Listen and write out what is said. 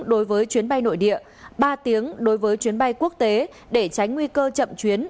đối với chuyến bay nội địa ba tiếng đối với chuyến bay quốc tế để tránh nguy cơ chậm chuyến